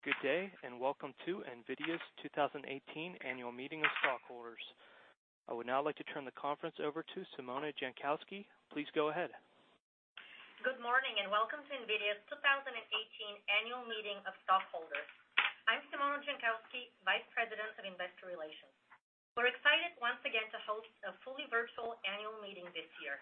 Okay. Good day. Welcome to NVIDIA's 2018 Annual Meeting of Stockholders. I would now like to turn the conference over to Simona Jankowski. Please go ahead. Good morning. Welcome to NVIDIA's 2018 Annual Meeting of Stockholders. I'm Simona Jankowski, Vice President of Investor Relations. We're excited once again to host a fully virtual annual meeting this year.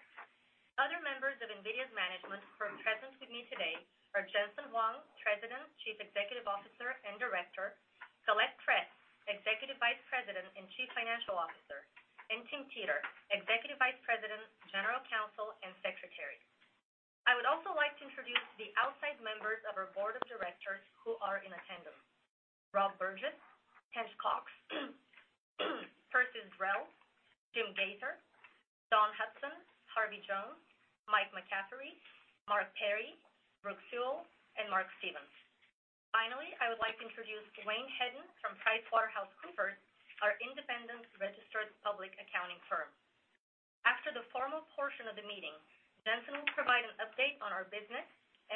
Other members of NVIDIA's management who are present with me today are Jensen Huang, President, Chief Executive Officer, and Director; Colette Kress, Executive Vice President and Chief Financial Officer; and Tim Teter, Executive Vice President, General Counsel, and Secretary. I would also like to introduce the outside members of our board of directors who are in attendance. Rob Burgess, Tench Coxe, Persis Drell, Jim Gaither, Dawn Hudson, Harvey Jones, Mike McCaffrey, Mark Perry, Brooke Seawell, and Mark Stevens. Finally, I would like to introduce Dwayne Hedden from PricewaterhouseCoopers, our independent registered public accounting firm. After the formal portion of the meeting, Jensen will provide an update on our business.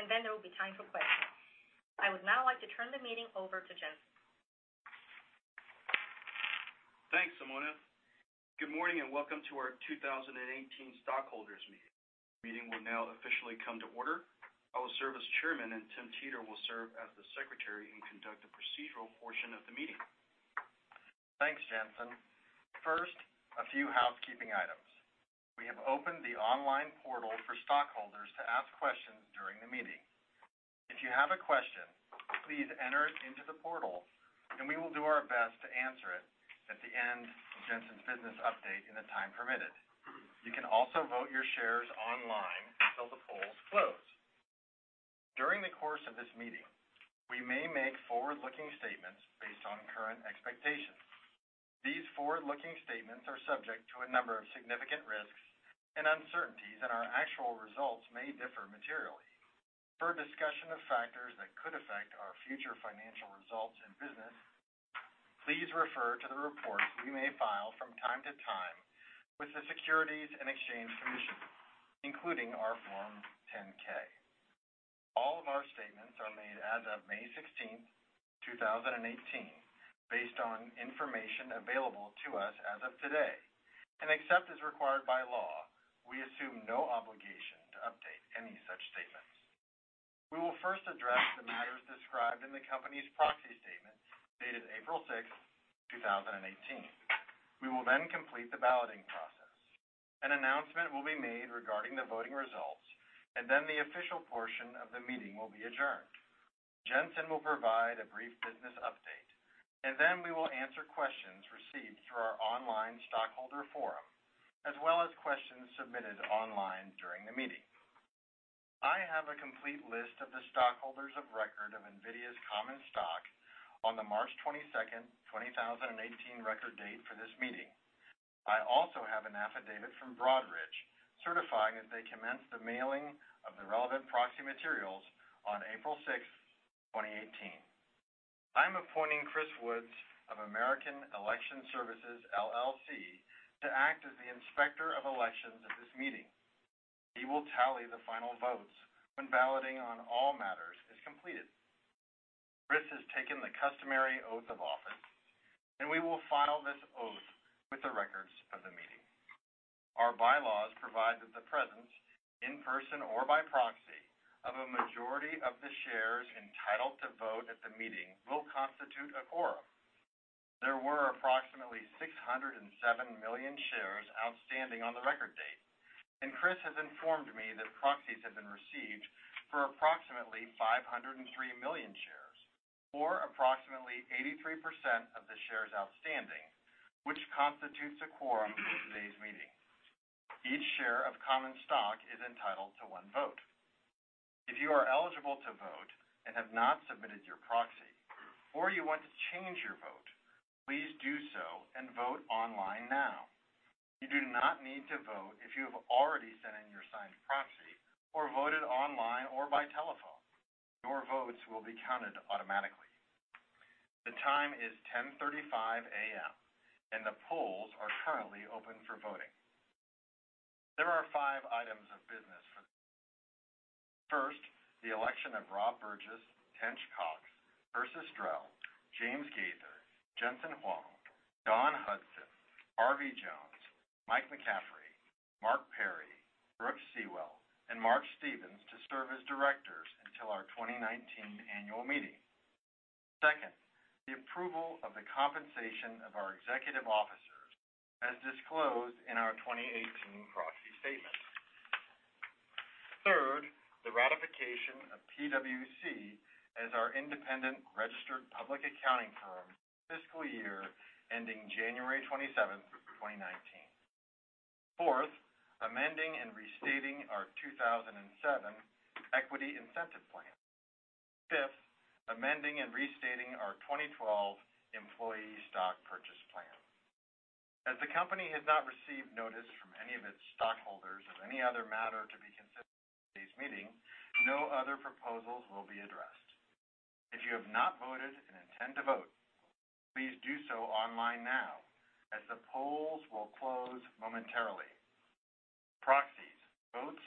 Then there will be time for questions. I would now like to turn the meeting over to Jensen. Thanks, Simona. Good morning. Welcome to our 2018 stockholders meeting. The meeting will now officially come to order. I will serve as chairman. Tim Teter will serve as the secretary and conduct the procedural portion of the meeting. Thanks, Jensen. First, a few housekeeping items. We have opened the online portal for stockholders to ask questions during the meeting. If you have a question, please enter it into the portal, and we will do our best to answer it at the end of Jensen's business update in the time permitted. You can also vote your shares online until the polls close. During the course of this meeting, we may make forward-looking statements based on current expectations. These forward-looking statements are subject to a number of significant risks and uncertainties, and our actual results may differ materially. For a discussion of factors that could affect our future financial results and business, please refer to the reports we may file from time to time with the Securities and Exchange Commission, including our Form 10-K. All of our statements are made as of May 16th, 2018, based on information available to us as of today, and except as required by law, we assume no obligation to update any such statements. We will first address the matters described in the company's proxy statement dated April 6th, 2018. We will complete the balloting process. An announcement will be made regarding the voting results, and then the official portion of the meeting will be adjourned. Jensen will provide a brief business update, and then we will answer questions received through our online stockholder forum, as well as questions submitted online during the meeting. I have a complete list of the stockholders of record of NVIDIA's common stock on the March 22nd, 2018, record date for this meeting. I also have an affidavit from Broadridge certifying that they commenced the mailing of the relevant proxy materials on April 6th, 2018. I'm appointing Chris Woods of American Election Services, LLC to act as the inspector of elections at this meeting. He will tally the final votes when balloting on all matters is completed. Chris has taken the customary oath of office, and we will file this oath with the records of the meeting. Our bylaws provide that the presence, in person or by proxy, of a majority of the shares entitled to vote at the meeting will constitute a quorum. There were approximately 607 million shares outstanding on the record date, and Chris has informed me that proxies have been received for approximately 503 million shares, or approximately 83% of the shares outstanding, which constitutes a quorum for today's meeting. Each share of common stock is entitled to one vote. If you are eligible to vote and have not submitted your proxy, or you want to change your vote, please do so and vote online now. You do not need to vote if you have already sent in your signed proxy or voted online or by telephone. Your votes will be counted automatically. The time is 10:35 A.M., and the polls are currently open for voting. There are five items of business for today. First, the election of Rob Burgess, Tench Coxe, Persis Drell, James Gaither, Jensen Huang, Dawn Hudson, Harvey Jones, Mike McCaffrey, Mark Perry, Brooke Sewell, and Mark Stevens to serve as directors until our 2019 annual meeting. Second, the approval of the compensation of our executive officers as disclosed in our 2018 proxy statement. Third, the ratification of PwC as our independent registered public accounting firm for the fiscal year ending January 27, 2019. Fourth, amending and restating our 2007 equity incentive plan. Fifth, amending and restating our 2012 employee stock purchase plan. As the company has not received notice from any of its stockholders of any other matter to be considered at today's meeting, no other proposals will be addressed. If you have not voted and intend to vote, the polls will close momentarily. Proxies, votes,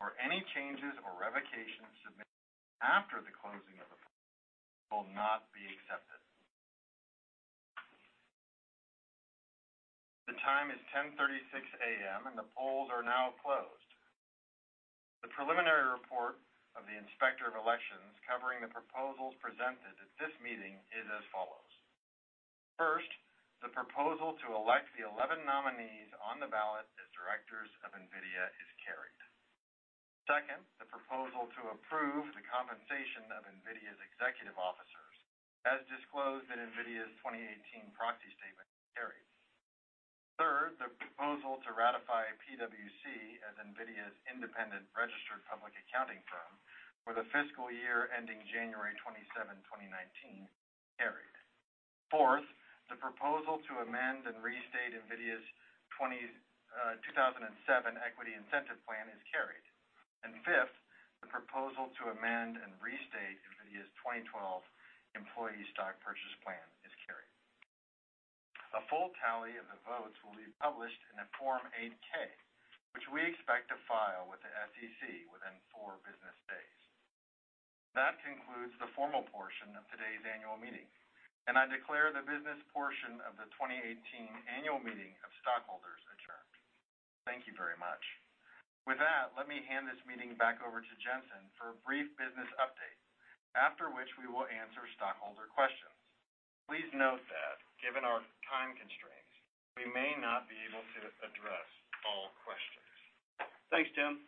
or any changes or revocations submitted after the closing of the polls will not be accepted. The time is 10:36 A.M., and the polls are now closed. The preliminary report of the Inspector of Elections covering the proposals presented at this meeting is as follows. First, the proposal to elect the 11 nominees on the ballot as directors of NVIDIA is carried. Second, the proposal to approve the compensation of NVIDIA's executive officers as disclosed in NVIDIA's 2018 proxy statement is carried. Third, the proposal to ratify PwC as NVIDIA's independent registered public accounting firm for the fiscal year ending January 27, 2019, carried. Fourth, the proposal to amend and restate NVIDIA's 2007 equity incentive plan is carried. Fifth, the proposal to amend and restate NVIDIA's 2012 employee stock purchase plan is carried. A full tally of the votes will be published in a Form 8-K, which we expect to file with the SEC within four business days. That concludes the formal portion of today's annual meeting, and I declare the business portion of the 2018 annual meeting of stockholders adjourned. Thank you very much. With that, let me hand this meeting back over to Jensen for a brief business update, after which we will answer stockholder questions. Please note that given our time constraints, we may not be able to address all questions. Thanks, Tim.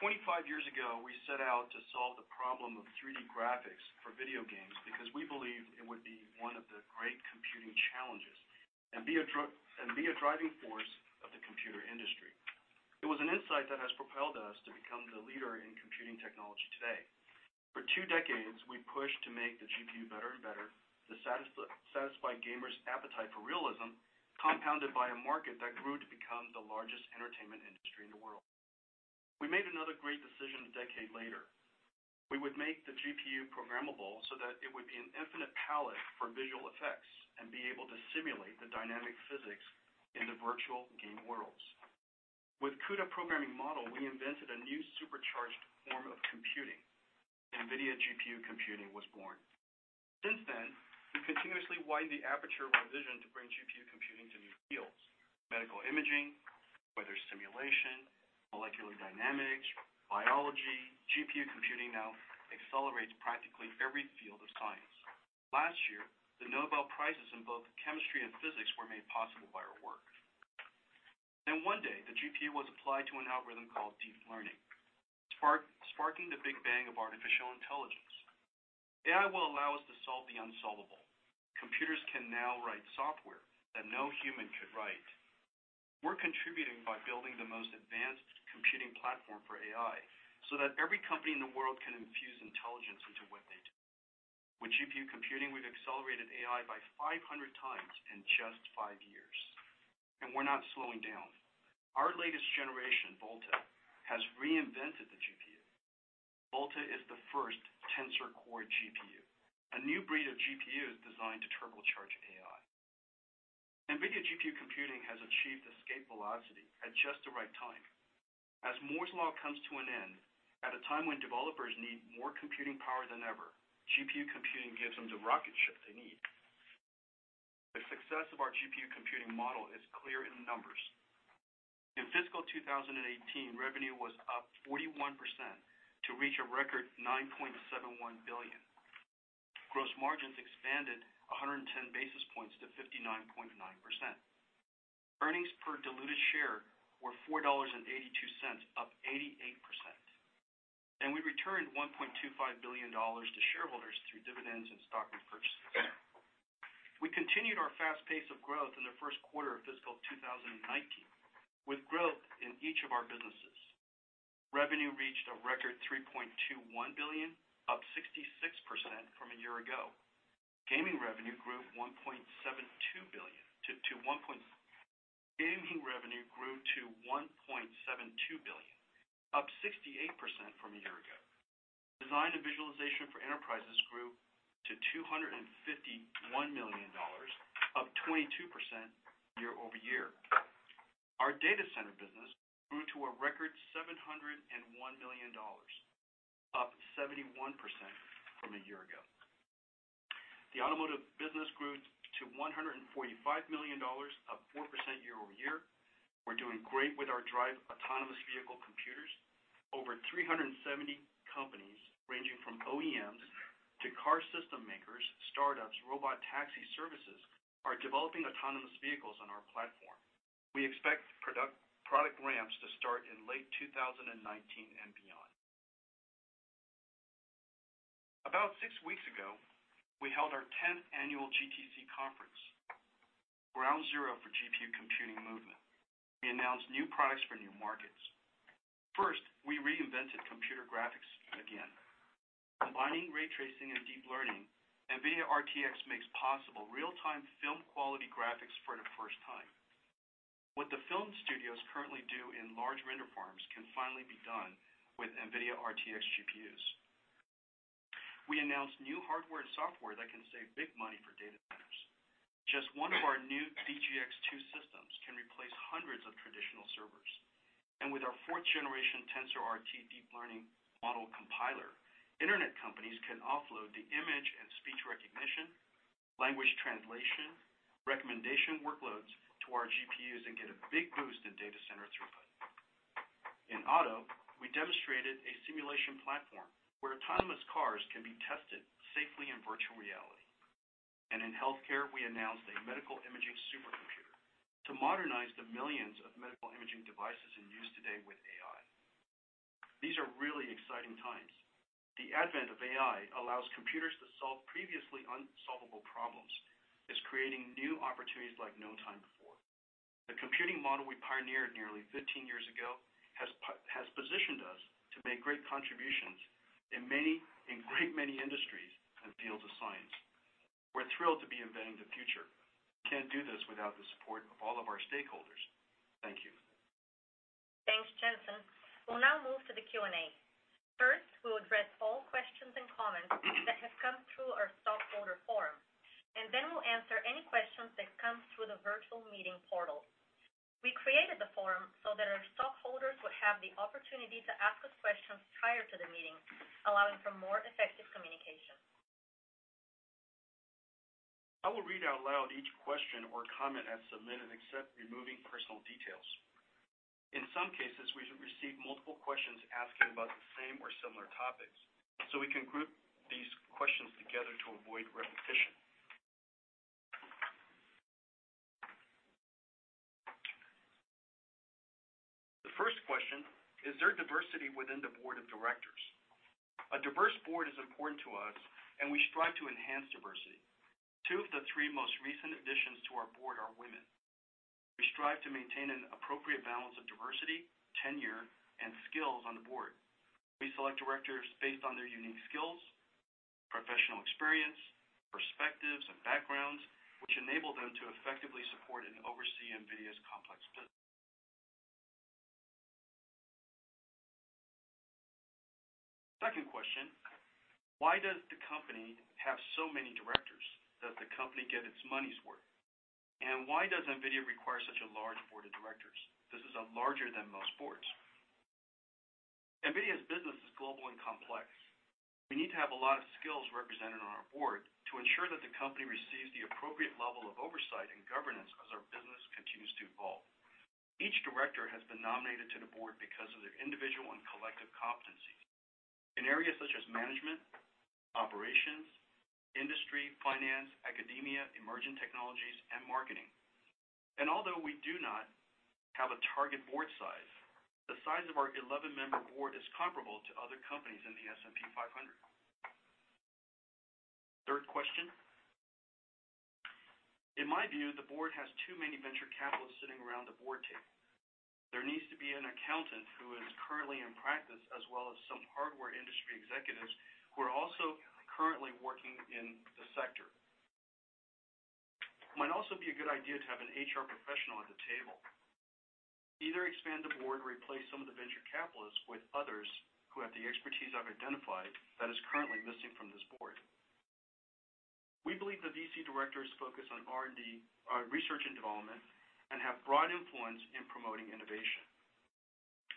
25 years ago, we set out to solve the problem of 3D graphics for video games because we believed it would be one of the great computing challenges and be a driving force of the computer industry. It was an insight that has propelled us to become the leader in computing technology today. For two decades, we pushed to make the GPU better and better to satisfy gamers' appetite for realism, compounded by a market that grew to become the largest entertainment industry in the world. We made another great decision a decade later. We would make the GPU programmable so that it would be an infinite palette for visual effects and be able to simulate the dynamic physics into virtual game worlds. With CUDA programming model, we invented a new supercharged form of computing. NVIDIA GPU computing was born. Since then, we continuously widened the aperture of our vision to bring GPU computing to new fields, medical imaging, weather simulation, molecular dynamics, biology. GPU computing now accelerates practically every field of science. Last year, the Nobel Prizes in both chemistry and physics were made possible by our work. One day, the GPU was applied to an algorithm called deep learning, sparking the Big Bang of artificial intelligence. AI will allow us to solve the unsolvable. Computers can now write software that no human could write. We're contributing by building the most advanced computing platform for AI so that every company in the world can infuse intelligence into what they do. With GPU computing, we've accelerated AI by 500 times in just five years, and we're not slowing down. Our latest generation, Volta, has reinvented the GPU. Volta is the first Tensor Core GPU, a new breed of GPU designed to turbocharge AI. NVIDIA GPU computing has achieved escape velocity at just the right time. As Moore's Law comes to an end at a time when developers need more computing power than ever, GPU computing gives them the rocket ship they need. The success of our GPU computing model is clear in the numbers. In fiscal 2018, revenue was up 41% to reach a record $9.71 billion. Gross margins expanded 110 basis points to 59.9%. Earnings per diluted share were $4.82, up 88%. We returned $1.25 billion to shareholders through dividends and stock repurchases. We continued our fast pace of growth in the first quarter of fiscal 2019, with growth in each of our businesses. Revenue reached a record $3.21 billion, up 66% from a year ago. Gaming revenue grew to $1.72 billion, up 68% from a year ago. Professional Visualization for enterprises grew to $251 million, up 22% year-over-year. Our Data Center business grew to a record $701 million, up 71% from a year ago. The Automotive business grew to $145 million, up 4% year-over-year. We're doing great with our DRIVE autonomous vehicle computers. Over 370 companies, ranging from OEMs to car system makers, startups, robot taxi services, are developing autonomous vehicles on our platform. We expect product ramps to start in late 2019 and beyond. About six weeks ago, we held our 10th annual GTC conference, ground zero for GPU computing movement. We announced new products for new markets. First, we reinvented computer graphics again. Combining ray tracing and deep learning, NVIDIA RTX makes possible real-time film-quality graphics for the first time. What the film studios currently do in large render farms can finally be done with NVIDIA RTX GPUs. We announced new hardware and software that can save big money for data centers. Just one of our new DGX-2 systems can replace hundreds of traditional servers. With our fourth generation TensorRT deep learning model compiler, internet companies can offload the image and speech recognition, language translation, recommendation workloads to our GPUs and get a big boost in data center throughput. In auto, we demonstrated a simulation platform where autonomous cars can be tested safely in virtual reality. In healthcare, we announced a medical imaging supercomputer to modernize the millions of medical imaging devices in use today with AI. These are really exciting times. The advent of AI allows computers to solve previously unsolvable problems, is creating new opportunities like no time before. The computing model we pioneered nearly 15 years ago has positioned us to make great contributions in great many industries and fields of science. We're thrilled to be inventing the future. We can't do this without the support of all of our stakeholders. Thank you. Thanks, Jensen. We'll now move to the Q&A. First, we'll address all questions and comments that have come through our stockholder forum, and then we'll answer any questions that come through the virtual meeting portal. We created the forum so that our stockholders would have the opportunity to ask us questions prior to the meeting, allowing for more effective communication. I will read out loud each question or comment as submitted except removing personal details. In some cases, we received multiple questions asking about the same or similar topics, so we can group these questions together to avoid repetition. The first question: Is there diversity within the board of directors? A diverse board is important to us and we strive to enhance diversity. Two of the three most recent additions to our board are women. We strive to maintain an appropriate balance of diversity, tenure, and skills on the board. We select directors based on their unique skills, professional experience, perspectives, and backgrounds, which enable them to effectively support and oversee NVIDIA's complex business. Second question: Why does the company have so many directors? Does the company get its money's worth? Why does NVIDIA require such a large board of directors? This is larger than most boards. NVIDIA's business is global and complex. We need to have a lot of skills represented on our board to ensure that the company receives the appropriate level of oversight and governance as our business continues to evolve. Each director has been nominated to the board because of their individual and collective competencies in areas such as management, operations, industry, finance, academia, emerging technologies, and marketing. Although we do not have a target board size, the size of our 11-member board is comparable to other companies in the S&P 500. Third question: In my view, the board has too many venture capitalists sitting around the board table. There needs to be an accountant who is currently in practice, as well as some hardware industry executives who are also currently working in the sector. It might also be a good idea to have an HR professional at the table. Either expand the board or replace some of the venture capitalists with others who have the expertise I've identified that is currently missing from this board. We believe the VC directors focus on research and development and have broad influence in promoting innovation.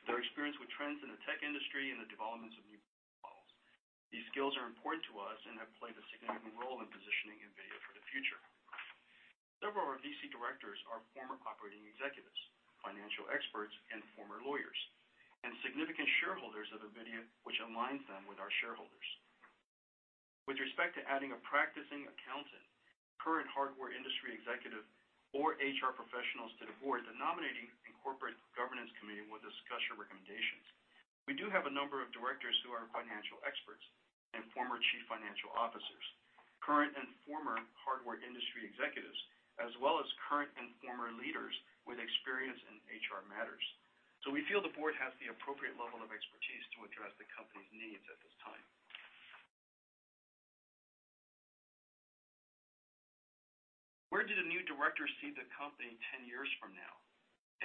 Their experience with trends in the tech industry and the developments of new business models. These skills are important to us and have played a significant role in positioning NVIDIA for the future. Several of our VC directors are former operating executives, financial experts, and former lawyers, and significant shareholders of NVIDIA, which aligns them with our shareholders. With respect to adding a practicing accountant, current hardware industry executive or HR professionals to the board, the Nominating and Corporate Governance Committee will discuss your recommendations. We do have a number of directors who are financial experts and former chief financial officers, current and former hardware industry executives, as well as current and former leaders with experience in HR matters. We feel the board has the appropriate level of expertise to address the company's needs at this time. Where do the new directors see the company 10 years from now?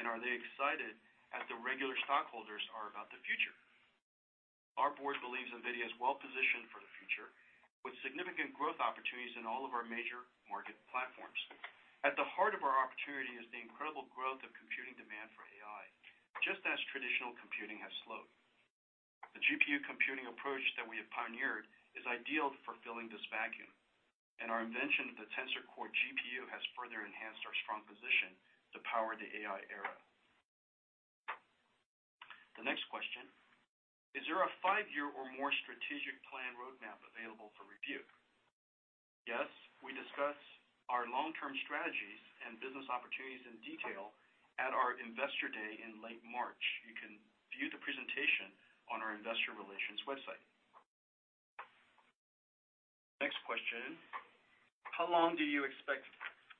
Are they excited as the regular stockholders are about the future? Our board believes NVIDIA is well-positioned for the future with significant growth opportunities in all of our major market platforms. At the heart of our opportunity is the incredible growth of computing demand for AI, just as traditional computing has slowed. The GPU computing approach that we have pioneered is ideal for filling this vacuum. Our invention of the Tensor Core GPU has further enhanced our strong position to power the AI era. The next question: Is there a five-year or more strategic plan roadmap available for review? Yes. We discuss our long-term strategies and business opportunities in detail at our Investor Day in late March. You can view the presentation on our investor relations website. Next question: How long do you expect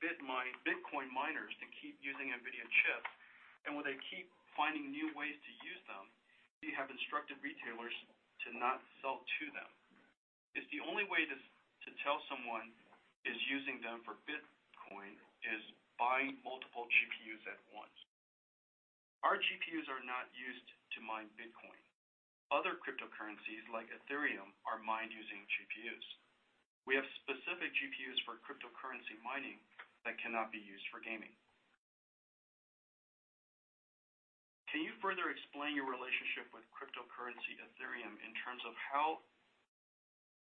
Bitcoin miners to keep using NVIDIA chips? Will they keep finding new ways to use them if you have instructed retailers to not sell to them? Is the only way to tell someone is using them for Bitcoin is buying multiple GPUs at once? GPUs are not used to mine Bitcoin. Other cryptocurrencies like Ethereum are mined using GPUs. We have specific GPUs for cryptocurrency mining that cannot be used for gaming. Can you further explain your relationship with cryptocurrency Ethereum in terms of how,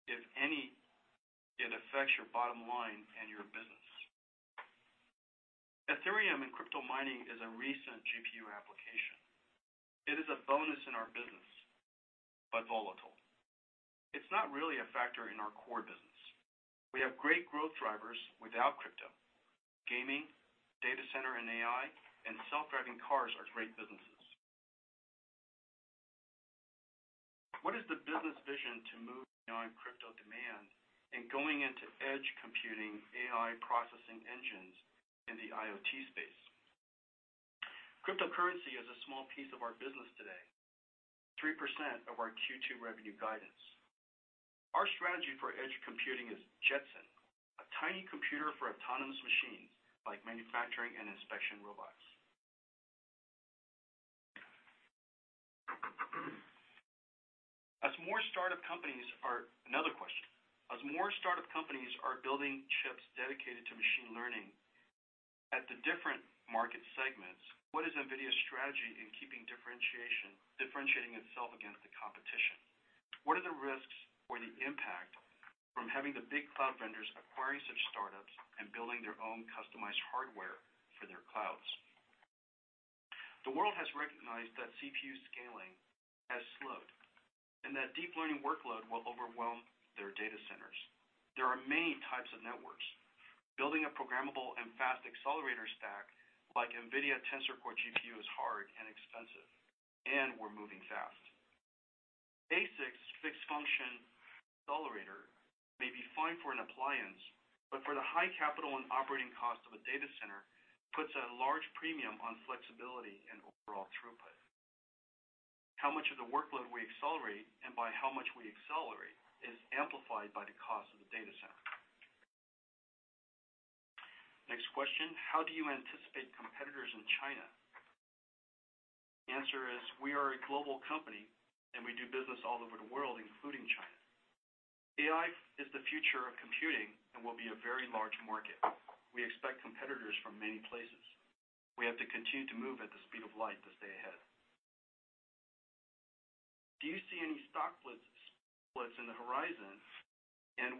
if any, it affects your bottom line and your business?" Ethereum and crypto mining is a recent GPU application. It is a bonus in our business, but volatile. It's not really a factor in our core business. We have great growth drivers without crypto. Gaming, data center and AI, and self-driving cars are great businesses. "What is the business vision to move beyond crypto demand and going into edge computing, AI processing engines in the IoT space?" Cryptocurrency is a small piece of our business today, 3% of our Q2 revenue guidance. Our strategy for edge computing is Jetson, a tiny computer for autonomous machines like manufacturing and inspection robots. Another question. As more startup companies are building chips dedicated to machine learning at the different market segments, what is NVIDIA's strategy in keeping differentiating itself against the competition? What are the risks or the impact from having the big cloud vendors acquiring such startups and building their own customized hardware for their clouds?" The world has recognized that CPU scaling has slowed and that deep learning workload will overwhelm their data centers. There are many types of networks. Building a programmable and fast accelerator stack like NVIDIA Tensor Core GPU is hard and expensive, and we're moving fast. Basics fixed function accelerator may be fine for an appliance, but for the high capital and operating cost of a data center, puts a large premium on flexibility and overall throughput. How much of the workload we accelerate and by how much we accelerate is amplified by the cost of the data center. Next question. "How do you anticipate competitors in China?" The answer is we are a global company and we do business all over the world, including China. AI is the future of computing and will be a very large market. We expect competitors from many places. We have to continue to move at the speed of light to stay ahead. "Do you see any stock splits in the horizon?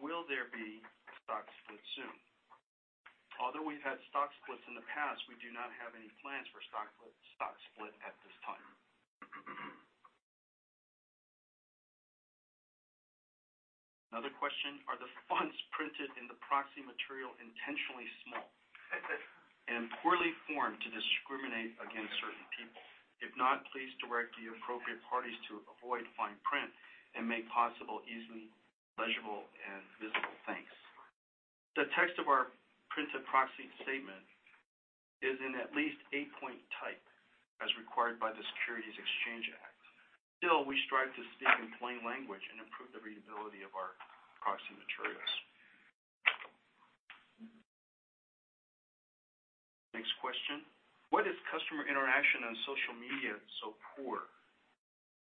Will there be stock splits soon?" Although we've had stock splits in the past, we do not have any plans for stock split at this time. Another question. "Are the fonts printed in the proxy material intentionally small and poorly formed to discriminate against certain people? If not, please direct the appropriate parties to avoid fine print and make possible easily legible and visible. Thanks." The text of our printed proxy statement is in at least 8-point type as required by the Securities Exchange Act. Still, we strive to speak in plain language and improve the readability of our proxy materials. Next question. "Why is customer interaction on social media so poor?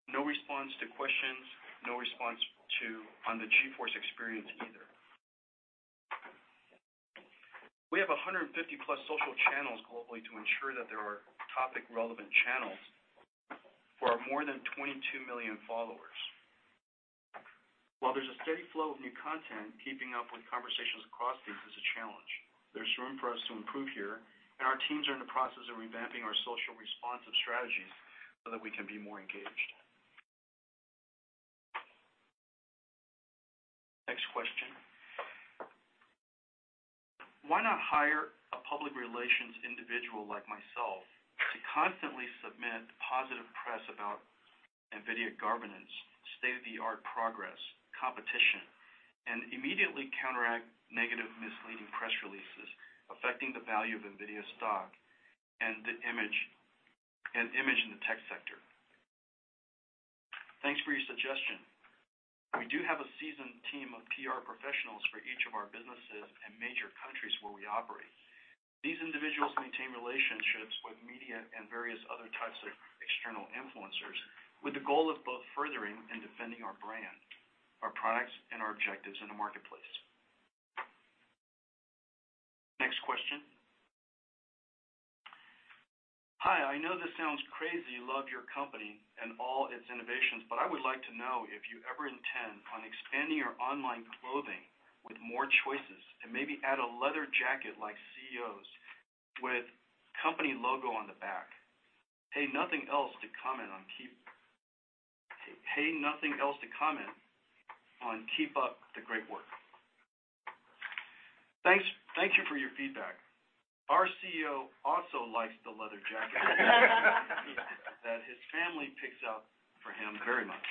No response to questions, no response on the GeForce Experience either." We have 150+ social channels globally to ensure that there are topic-relevant channels for our more than 22 million followers. While there's a steady flow of new content, keeping up with conversations across these is a challenge. There's room for us to improve here. Our teams are in the process of revamping our social responsive strategies so that we can be more engaged. Next question. Why not hire a public relations individual like myself to constantly submit positive press about NVIDIA governance, state-of-the-art progress, competition, immediately counteract negative misleading press releases affecting the value of NVIDIA's stock and image in the tech sector?" Thanks for your suggestion. We do have a seasoned team of PR professionals for each of our businesses and major countries where we operate. These individuals maintain relationships with media and various other types of external influencers with the goal of both furthering and defending our brand, our products, and our objectives in the marketplace. Next question. "Hi, I know this sounds crazy. Love your company and all its innovations, I would like to know if you ever intend on expanding your online clothing with more choices and maybe add a leather jacket like CEOs with company logo on the back. Pay nothing else to comment on keep up the great work." Thank you for your feedback. Our CEO also likes the leather jacket that his family picks out for him very much.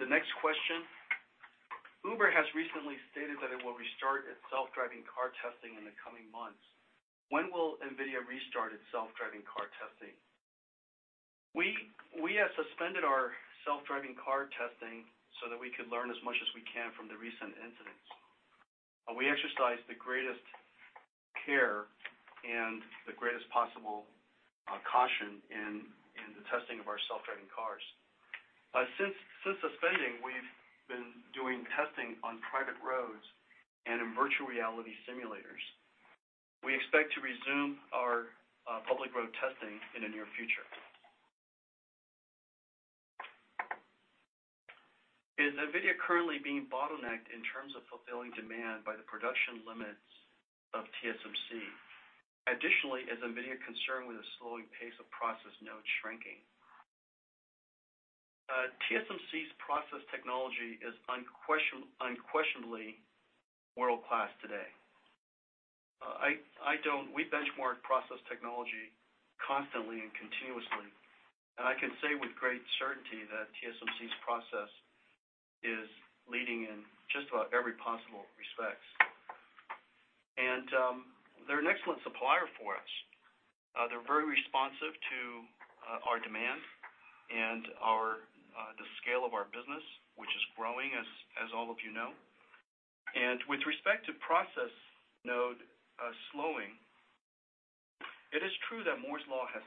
The next question. "Uber has recently stated that it will restart its self-driving car testing in the coming months. When will NVIDIA restart its self-driving car testing?" We have suspended our self-driving car testing so that we could learn as much as we can from the recent incidents. We exercise the greatest care and the greatest possible caution in the testing of our self-driving cars. Since suspending, we've been doing testing on private roads and in virtual reality simulators. We expect to resume our public road testing in the near future. "Is NVIDIA currently being bottlenecked in terms of fulfilling demand by the production limits of TSMC? Additionally, is NVIDIA concerned with the slowing pace of process node shrinking?" TSMC's process technology is unquestionably world-class today. We benchmark process technology constantly and continuously, and I can say with great certainty that TSMC's process is leading in just about every possible respect. They're an excellent supplier for us. They're very responsive to our demand and the scale of our business, which is growing, as all of you know. With respect to process node slowing, it is true that Moore's law has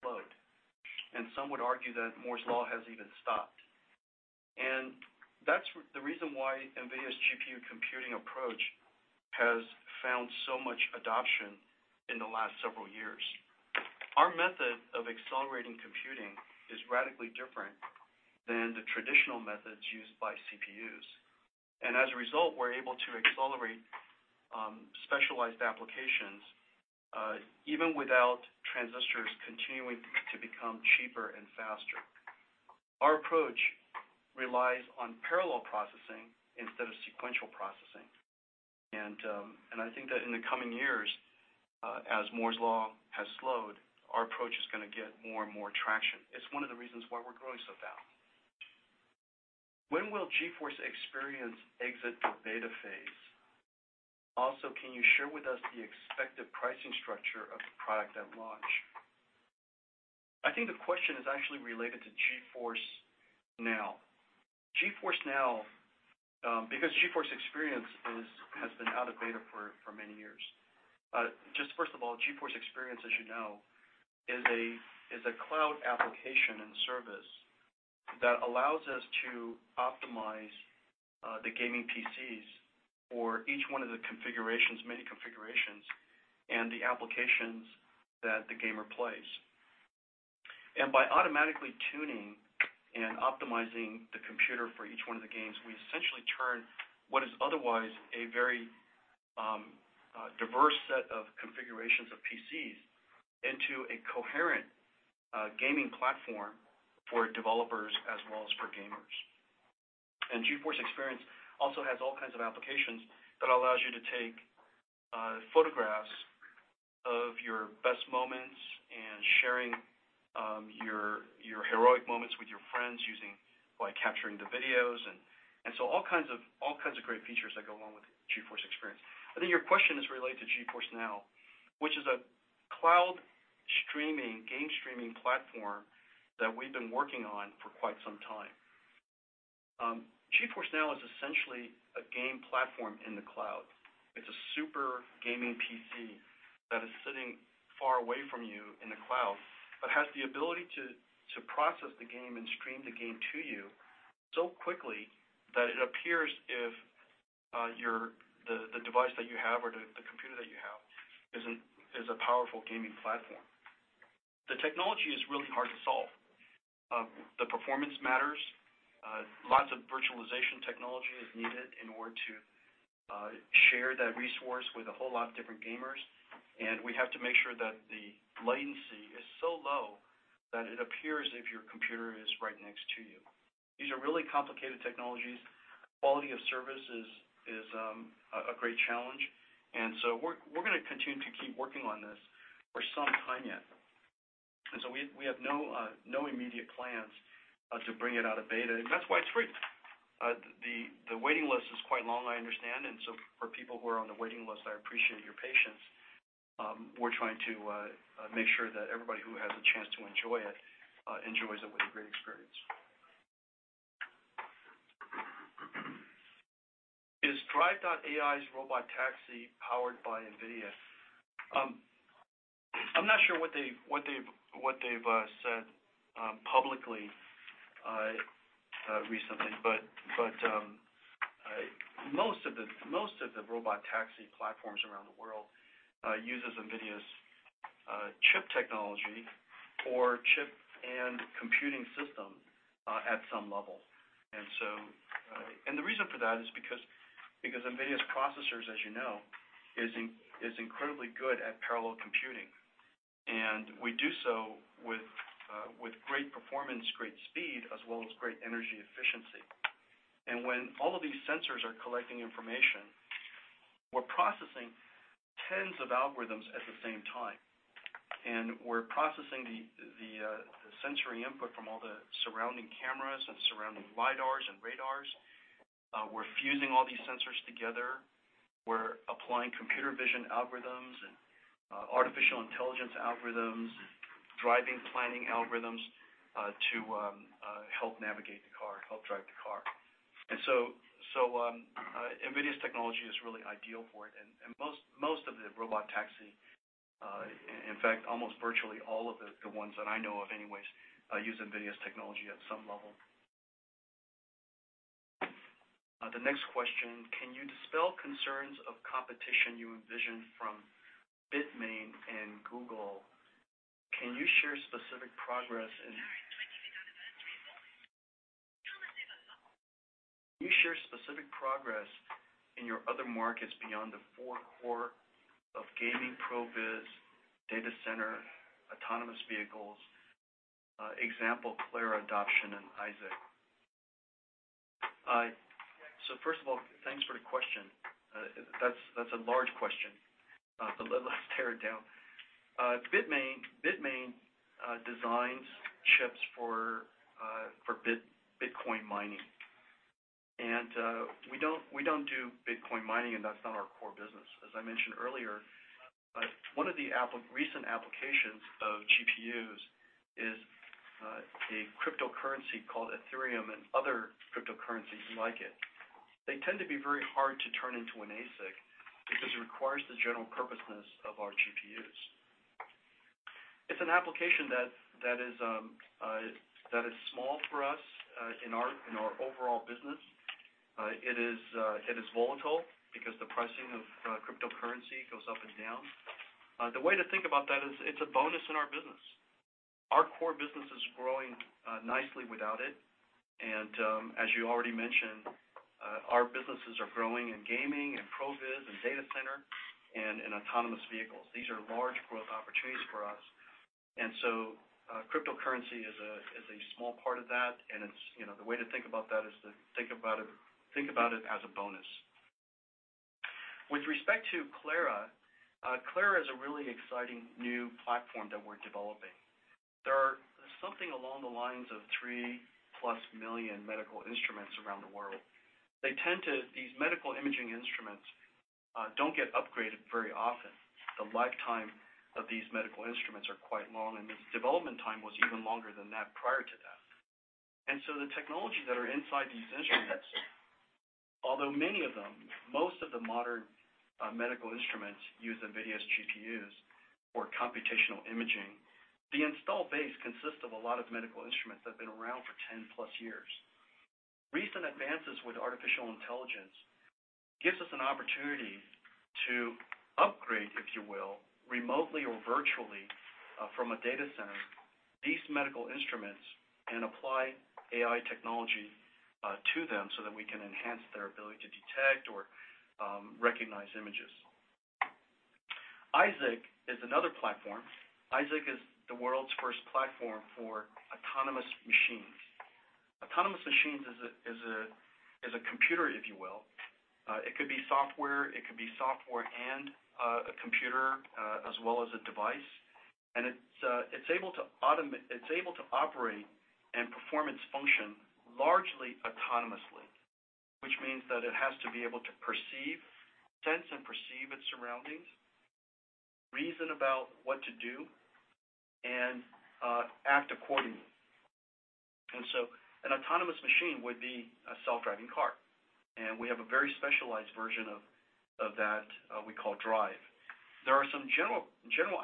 slowed, and some would argue that Moore's law has even stopped. That's the reason why NVIDIA's GPU computing approach has found so much adoption in the last several years. Our method of accelerating computing is radically different than the traditional methods used by CPUs. As a result, we're able to accelerate specialized applications even without transistors continuing to become cheaper and faster. Our approach relies on parallel processing instead of sequential processing. I think that in the coming years, as Moore's law has slowed, our approach is going to get more and more traction. It's one of the reasons why we're growing so fast. "When will GeForce Experience exit the beta phase? Also, can you share with us the expected pricing structure of the product at launch?" I think the question is actually related to GeForce NOW. GeForce Experience has been out of beta for many years. Just first of all, GeForce Experience, as you know, is a cloud application and service that allows us to optimize the gaming PCs for each one of the many configurations and the applications that the gamer plays. By automatically tuning and optimizing the computer for each one of the games, we essentially turn what is otherwise a very diverse set of configurations of PCs into a coherent gaming platform for developers as well as for gamers. GeForce Experience also has all kinds of applications that allows you to take photographs of your best moments and sharing your heroic moments with your friends by capturing the videos, and so all kinds of great features that go along with GeForce Experience. I think your question is related to GeForce NOW, which is a cloud game streaming platform that we've been working on for quite some time. GeForce NOW is essentially a game platform in the cloud. It's a super gaming PC that is sitting far away from you in the cloud, but has the ability to process the game and stream the game to you so quickly that it appears if the device that you have or the computer that you have is a powerful gaming platform. The technology is really hard to solve. The performance matters. Lots of virtualization technology is needed in order to share that resource with a whole lot of different gamers, and we have to make sure that the latency is so low that it appears as if your computer is right next to you. These are really complicated technologies. Quality of service is a great challenge. We're going to continue to keep working on this for some time yet. We have no immediate plans to bring it out of beta, and that's why it's free. The waiting list is quite long, I understand. For people who are on the waiting list, I appreciate your patience. We're trying to make sure that everybody who has a chance to enjoy it, enjoys it with a great experience. "Is Drive.ai's robot taxi powered by NVIDIA?" I'm not sure what they've said publicly recently, but most of the robot taxi platforms around the world uses NVIDIA's chip technology or chip and computing system at some level. The reason for that is because NVIDIA's processors, as you know, is incredibly good at parallel computing. We do so with great performance, great speed, as well as great energy efficiency. When all of these sensors are collecting information, we're processing tens of algorithms at the same time, and we're processing the sensory input from all the surrounding cameras and surrounding lidars and radars. We're fusing all these sensors together. We're applying computer vision algorithms and artificial intelligence algorithms, driving planning algorithms to help navigate the car, help drive the car. NVIDIA's technology is really ideal for it. Most of the robot taxi, in fact, almost virtually all of the ones that I know of anyways, use NVIDIA's technology at some level. The next question, can you dispel concerns of competition you envision from Bitmain and Google? Can you share specific progress in your other markets beyond the four core of gaming, ProVis, data center, autonomous vehicles? Example, Clara adoption and Isaac. First of all, thanks for the question. That's a large question. Let's tear it down. Bitmain designs chips for Bitcoin mining. We don't do Bitcoin mining, and that's not our core business. As I mentioned earlier, one of the recent applications of GPUs is a cryptocurrency called Ethereum and other cryptocurrencies like it. They tend to be very hard to turn into an ASIC because it requires the general purposeness of our GPUs. It's an application that is small for us in our overall business. It is volatile because the pricing of cryptocurrency goes up and down. The way to think about that is it's a bonus in our business. Our core business is growing nicely without it, and as you already mentioned, our businesses are growing in gaming and ProVis and data center and in autonomous vehicles. These are large growth opportunities for us. Cryptocurrency is a small part of that, and the way to think about that is to think about it as a bonus. With respect to Clara is a really exciting new platform that we're developing. There are something along the lines of three-plus million medical instruments around the world. These medical imaging instruments don't get upgraded very often. The lifetime of these medical instruments are quite long, and the development time was even longer than that prior to that. The technologies that are inside these instruments, although many of them, most of the modern medical instruments use NVIDIA's GPUs for computational imaging, the install base consists of a lot of medical instruments that have been around for 10-plus years. Recent advances with artificial intelligence gives us an opportunity to upgrade, if you will, remotely or virtually from a data center, these medical instruments and apply AI technology to them so that we can enhance their ability to detect or recognize images. Isaac is another platform. Isaac is the world's first platform for autonomous machines. Autonomous machines is a computer, if you will. It could be software, it could be software and a computer, as well as a device. It's able to operate and perform its function largely autonomously, which means that it has to be able to sense and perceive its surroundings, reason about what to do, and act accordingly. An autonomous machine would be a self-driving car. We have a very specialized version of that we call DRIVE. There are some general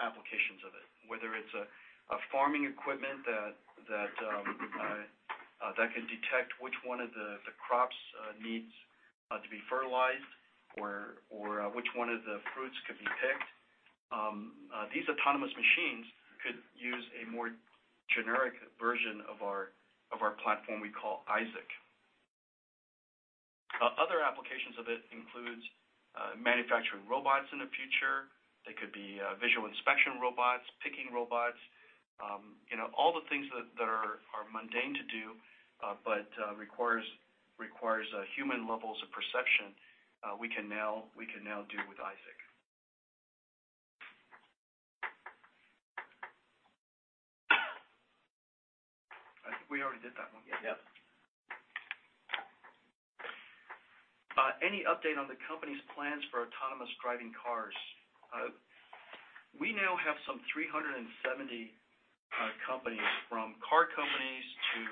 applications of it, whether it's a farming equipment that can detect which one of the crops needs to be fertilized or which one of the fruits could be picked. These autonomous machines could use a more generic version of our platform we call Isaac. Other applications of it includes manufacturing robots in the future. They could be visual inspection robots, picking robots. All the things that are mundane to do but requires human levels of perception, we can now do with Isaac. I think we already did that one. Yeah. Any update on the company's plans for autonomous driving cars? We now have some 370 companies, from car companies to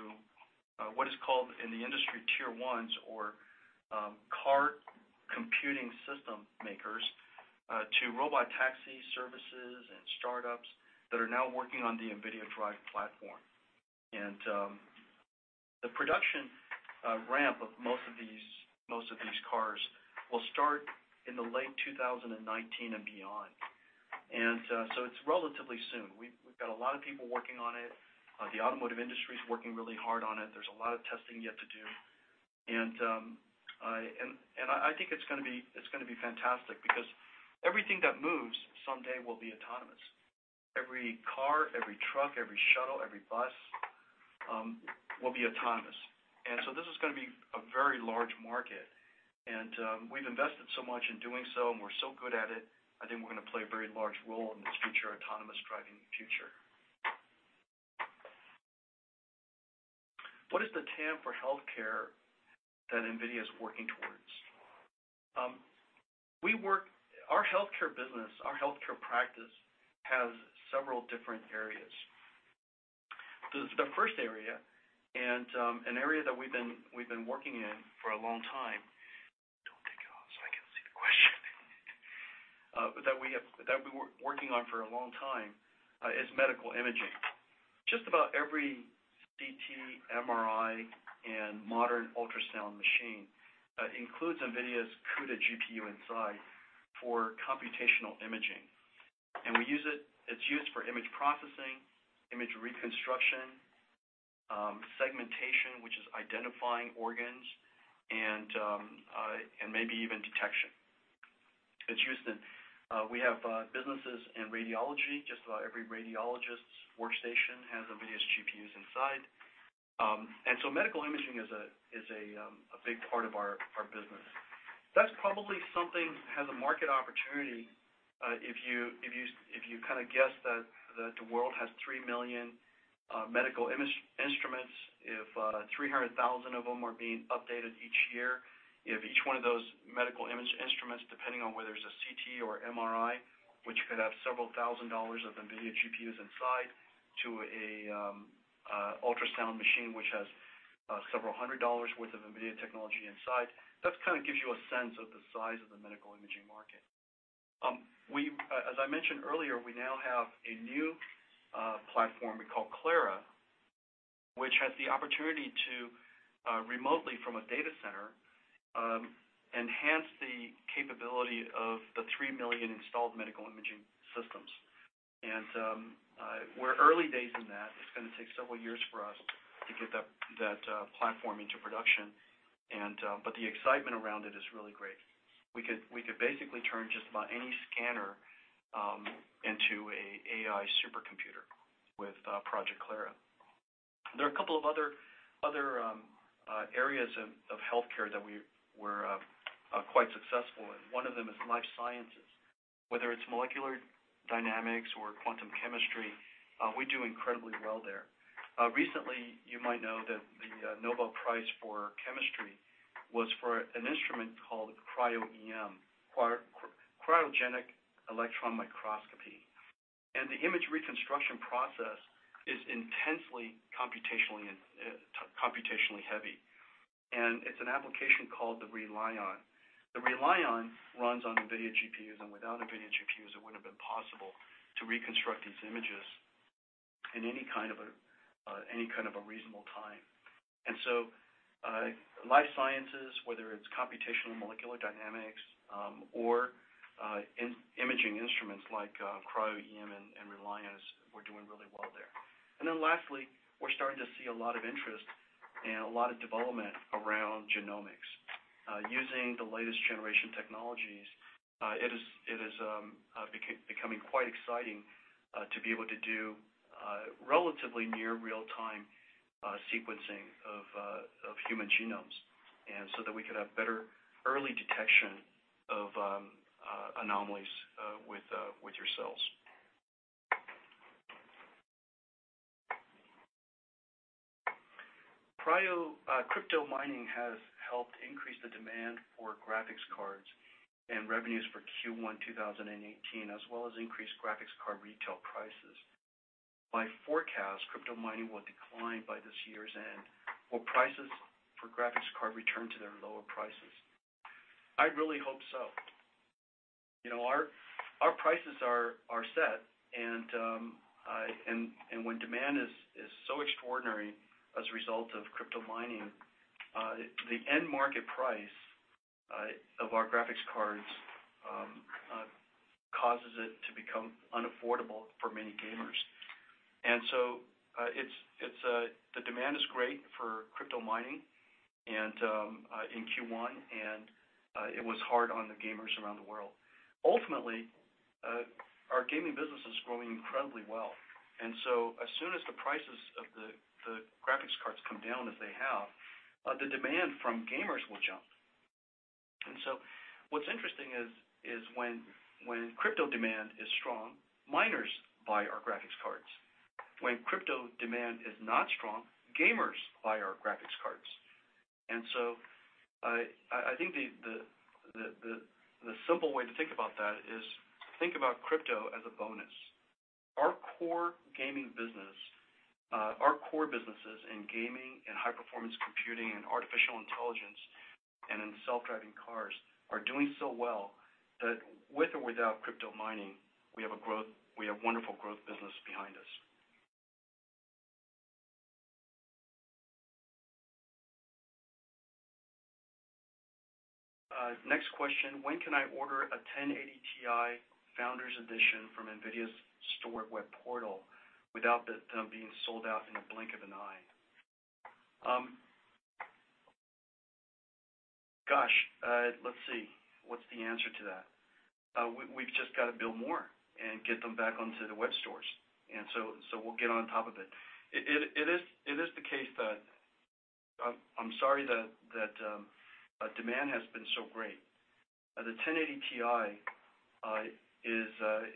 what is called in the industry tier 1s or car computing system makers, to robot taxi services and startups that are now working on the NVIDIA DRIVE platform. The production ramp of most of these cars will start in the late 2019 and beyond. It's relatively soon. We've got a lot of people working on it. The automotive industry is working really hard on it. There's a lot of testing yet to do. I think it's going to be fantastic because everything that moves someday will be autonomous. Every car, every truck, every shuttle, every bus will be autonomous. This is going to be a very large market. We've invested so much in doing so, and we're so good at it. I think we're going to play a very large role in this future autonomous driving future. What is the TAM for healthcare that NVIDIA is working towards? Our healthcare business, our healthcare practice has several different areas. The first area, an area that we've been working in for a long time. Don't take it off, so I can see the question. That we were working on for a long time, is medical imaging. Just about every CT, MRI, and modern ultrasound machine includes NVIDIA's CUDA GPU inside for computational imaging. It's used for image processing, image reconstruction, segmentation, which is identifying organs, and maybe even detection. We have businesses in radiology. Just about every radiologist's workstation has NVIDIA's GPUs inside. Medical imaging is a big part of our business. That's probably something that has a market opportunity, if you guess that the world has 3 million medical instruments, if 300,000 of them are being updated each year, if each one of those medical image instruments, depending on whether it's a CT or MRI, which could have several thousand USD of NVIDIA GPUs inside, to an ultrasound machine, which has several hundred USD worth of NVIDIA technology inside. That kind of gives you a sense of the size of the medical imaging market. As I mentioned earlier, we now have a new platform we call Clara, which has the opportunity to remotely, from a data center, enhance the capability of the 3 million installed medical imaging systems. We're early days in that. It's going to take several years for us to get that platform into production, but the excitement around it is really great. We could basically turn just about any scanner into an AI supercomputer with Project Clara. There are a couple of other areas of healthcare that we were quite successful in. One of them is life sciences. Whether it's molecular dynamics or quantum chemistry, we do incredibly well there. Recently, you might know that the Nobel Prize for chemistry was for an instrument called Cryo-EM, cryogenic electron microscopy. The image reconstruction process is intensely computationally heavy. It's an application called the RELION. The RELION runs on NVIDIA GPUs, without NVIDIA GPUs, it wouldn't have been possible to reconstruct these images in any kind of a reasonable time. Life sciences, whether it's computational molecular dynamics, or in imaging instruments like Cryo-EM and RELION, we're doing really well there. Lastly, we're starting to see a lot of interest and a lot of development around genomics. Using the latest generation technologies, it is becoming quite exciting to be able to do relatively near real-time sequencing of human genomes, and so that we could have better early detection of anomalies with your cells. Crypto mining has helped increase the demand for graphics cards and revenues for Q1 2018, as well as increased graphics card retail prices. By forecast, crypto mining will decline by this year's end. Will prices for graphics cards return to their lower prices? I'd really hope so. Our prices are set, and when demand is so extraordinary as a result of crypto mining, the end market price of our graphics cards causes it to become unaffordable for many gamers. The demand is great for crypto mining in Q1, and it was hard on the gamers around the world. Ultimately, our gaming business is growing incredibly well, as soon as the prices of the graphics cards come down, as they have, the demand from gamers will jump. What's interesting is, when crypto demand is strong, miners buy our graphics cards. When crypto demand is not strong, gamers buy our graphics cards. I think the simple way to think about that is think about crypto as a bonus. Our core gaming business, our core businesses in gaming and high-performance computing and artificial intelligence and in self-driving cars are doing so well that with or without crypto mining, we have wonderful growth business behind us. Next question. When can I order a 1080 Ti Founders Edition from NVIDIA's store web portal without them being sold out in the blink of an eye? Gosh. Let's see. What's the answer to that? We've just got to build more and get them back onto the web stores. We'll get on top of it. It is the case. I'm sorry that demand has been so great. The 1080 Ti is the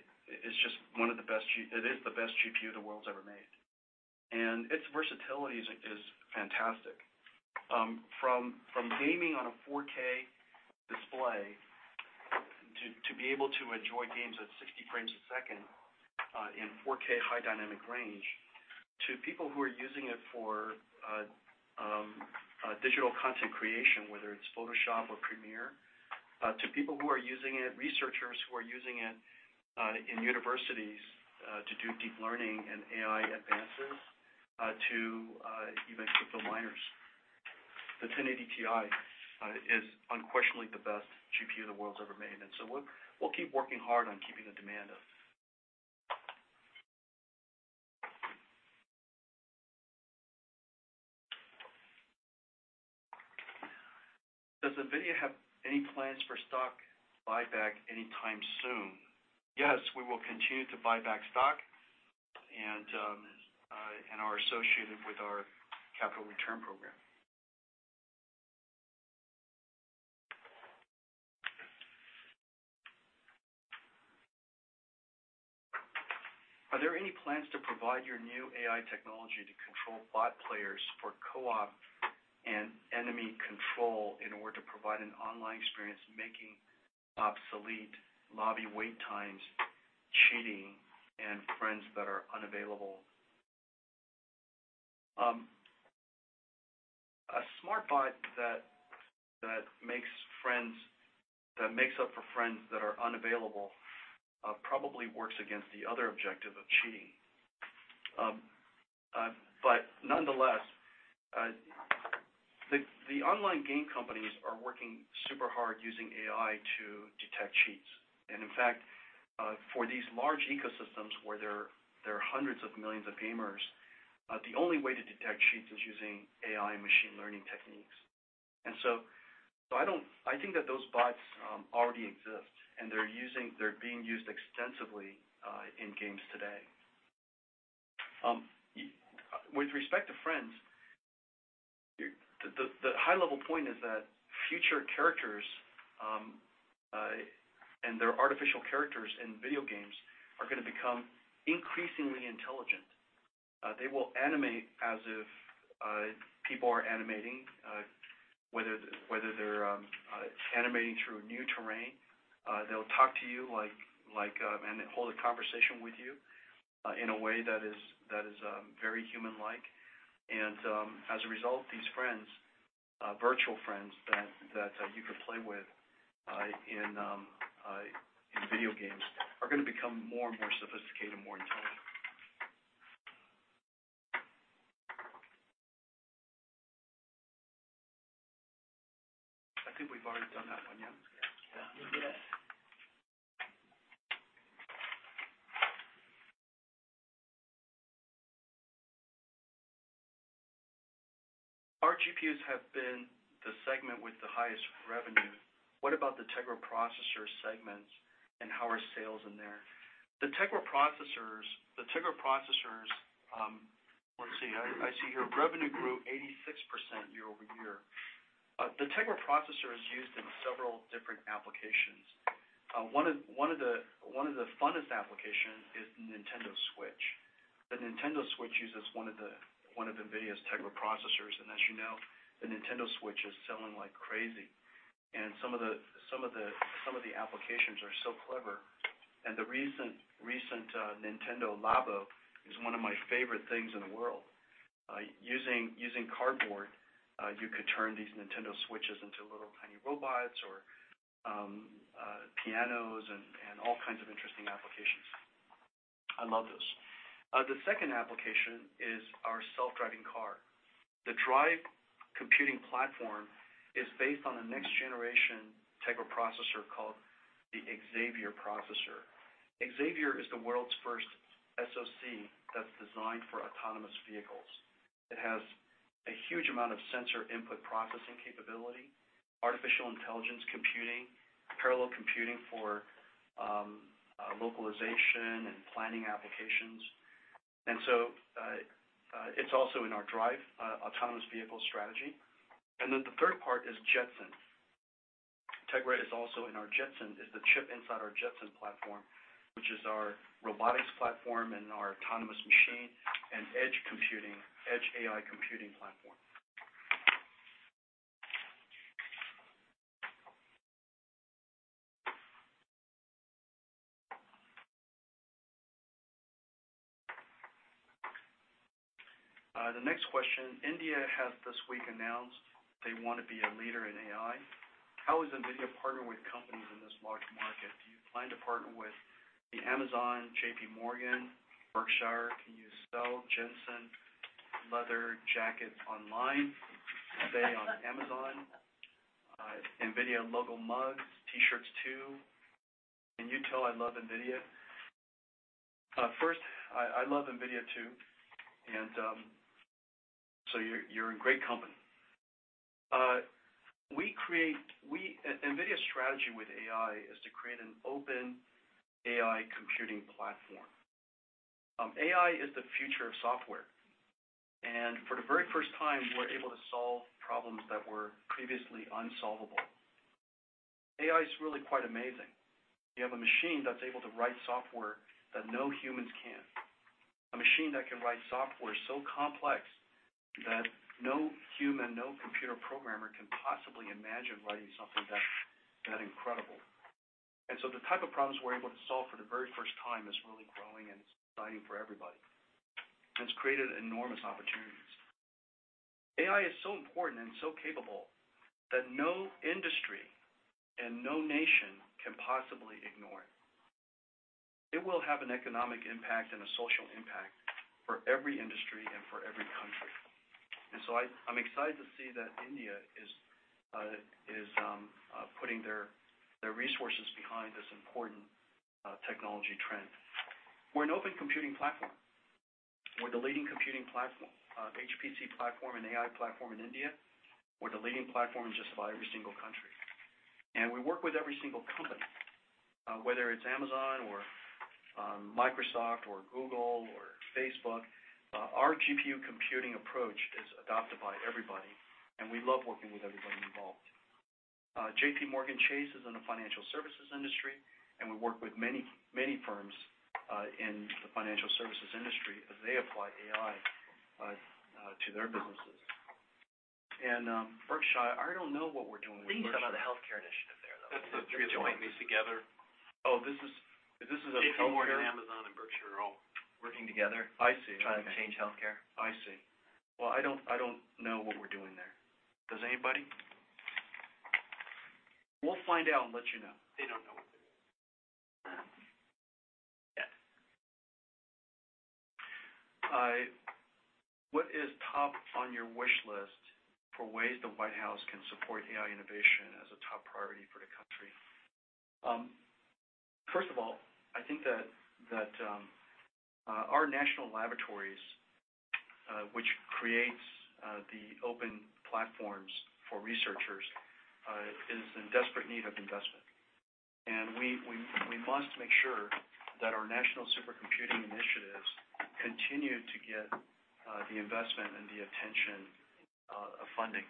best GPU the world's ever made. Its versatility is fantastic. From gaming on a 4K display to be able to enjoy games at 60 frames a second in 4K high dynamic range, to people who are using it for digital content creation, whether it's Photoshop or Premiere, to people who are using it, researchers who are using it in universities to do deep learning and AI advances, to even crypto miners. The 1080 Ti is unquestionably the best GPU the world's ever made. We'll keep working hard on keeping the demand up. "Does NVIDIA have any plans for stock buyback anytime soon?" Yes, we will continue to buy back stock and are associated with our capital return program. Are there any plans to provide your new AI technology to control bot players for co-op and enemy control in order to provide an online experience, making obsolete lobby wait times, cheating, and friends that are unavailable?" A smart bot that makes up for friends that are unavailable probably works against the other objective of cheating. Nonetheless, the online game companies are working super hard using AI to detect cheats. In fact, for these large ecosystems where there are hundreds of millions of gamers, the only way to detect cheats is using AI and machine learning techniques. I think that those bots already exist, and they're being used extensively in games today. With respect to friends, the high-level point is that future characters, and they're artificial characters in video games, are going to become increasingly intelligent. They will animate as if people are animating, whether they're animating through new terrain. They'll talk to you and hold a conversation with you in a way that is very human-like. As a result, these friends, virtual friends that you can play with in video games, are going to become more and more sophisticated and more intelligent. I think we've already done that one, yeah? Yeah. "Our GPUs have been the segment with the highest revenue. What about the Tegra processor segments, and how are sales in there?" The Tegra processors, let's see. I see here revenue grew 86% year-over-year. The Tegra processor is used in several different applications. One of the funnest applications is Nintendo Switch. The Nintendo Switch uses one of NVIDIA's Tegra processors. As you know, the Nintendo Switch is selling like crazy, and some of the applications are so clever. The recent Nintendo Labo is one of my favorite things in the world. Using cardboard, you could turn these Nintendo Switches into little tiny robots or pianos and all kinds of interesting applications. I love those. The second application is our self-driving car. The drive computing platform is based on a next-generation type of processor called the Xavier processor. Xavier is the world's first SoC that's designed for autonomous vehicles. It has a huge amount of sensor input processing capability, artificial intelligence computing, parallel computing for localization and planning applications. It's also in our drive autonomous vehicle strategy. The third part is Jetson. Tegra is also in our Jetson. It's the chip inside our Jetson platform, which is our robotics platform and our autonomous machine and edge AI computing platform. The next question, "India has this week announced they want to be a leader in AI. How is NVIDIA partnering with companies in this large market? Do you plan to partner with the Amazon, JPMorgan, Berkshire? Can you sell Jensen leather jackets online, say, on Amazon? NVIDIA logo mugs, T-shirts too. Can you tell I love NVIDIA?" First, I love NVIDIA too, and so you're in great company. Strategy with AI is to create an open AI computing platform. AI is the future of software, and for the very first time, we're able to solve problems that were previously unsolvable. AI is really quite amazing. You have a machine that's able to write software that no humans can. A machine that can write software so complex that no human, no computer programmer can possibly imagine writing something that incredible. The type of problems we're able to solve for the very first time is really growing and exciting for everybody. It's created enormous opportunities. AI is so important and so capable that no industry and no nation can possibly ignore it. It will have an economic impact and a social impact for every industry and for every country. I'm excited to see that India is putting their resources behind this important technology trend. We're an open computing platform. We're the leading computing platform, HPC platform, and AI platform in India. We're the leading platform just about every single country. We work with every single company, whether it's Amazon or Microsoft or Google or Facebook. Our GPU computing approach is adopted by everybody, and we love working with everybody involved. JPMorgan Chase is in the financial services industry, and we work with many firms in the financial services industry as they apply AI to their businesses. Berkshire, I don't know what we're doing with Berkshire. Lead some of the healthcare initiatives there, though. They're joining these together. Oh, this is a healthcare- JPMorgan, Amazon, and Berkshire are all working together. I see. Trying to change healthcare. I see. Well, I don't know what we're doing there. Does anybody? We'll find out and let you know. They don't know. Yeah. What is top on your wish list for ways the White House can support AI innovation as a top priority for the country? First of all, I think that our national laboratories, which creates the open platforms for researchers, is in desperate need of investment. We must make sure that our national supercomputing initiatives continue to get the investment and the attention of funding.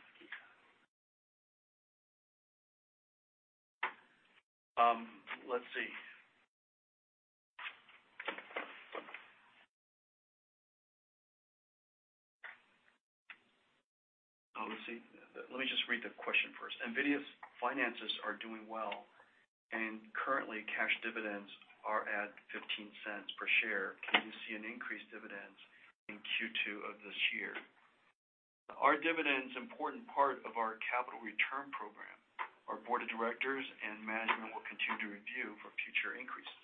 Let's see. Let me just read the question first. NVIDIA's finances are doing well, and currently, cash dividends are at $0.15 per share. Can we see an increased dividend in Q2 of this year? Our dividend's important part of our capital return program. Our board of directors and management will continue to review for future increases.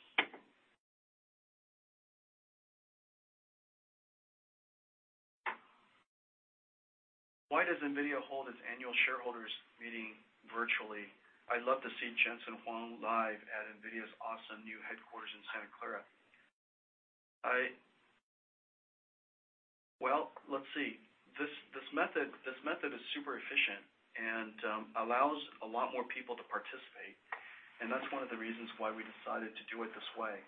Why does NVIDIA hold its annual shareholders meeting virtually? I'd love to see Jensen Huang live at NVIDIA's awesome new headquarters in Santa Clara. Well, let's see. This method is super efficient and allows a lot more people to participate, and that's one of the reasons why we decided to do it this way.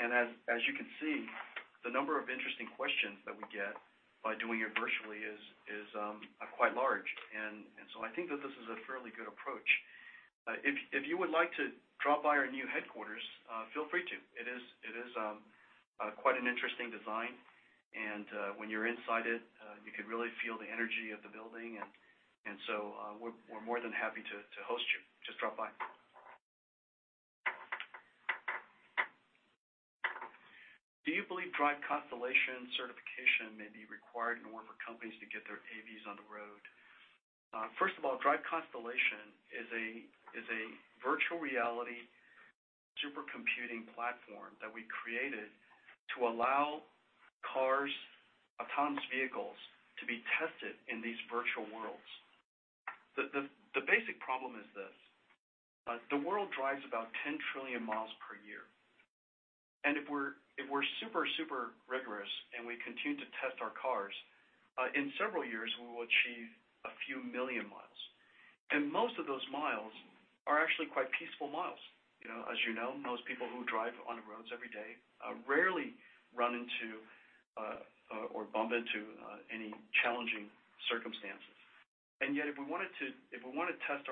As you can see, the number of interesting questions that we get by doing it virtually is quite large. I think that this is a fairly good approach. If you would like to drop by our new headquarters, feel free to. It is quite an interesting design, and when you're inside it, you can really feel the energy of the building. We're more than happy to host you. Just drop by. Do you believe NVIDIA DRIVE Constellation certification may be required in order for companies to get their AVs on the road? First of all, NVIDIA DRIVE Constellation is a virtual reality supercomputing platform that we created to allow cars, autonomous vehicles, to be tested in these virtual worlds. The basic problem is this. The world drives about 10 trillion miles per year. If we're super rigorous and we continue to test our cars, in several years, we will achieve a few million miles. Most of those miles are actually quite peaceful miles. As you know, most people who drive on the roads every day rarely run into or bump into any challenging circumstances. If we want to test